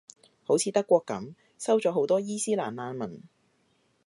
好似德國噉，收咗好多伊期蘭難民